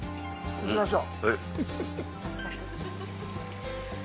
行きましょう！